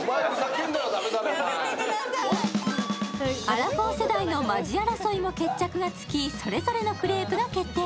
アラフォー世代のマジ争いも決着がつきそれぞれのクレープが決定。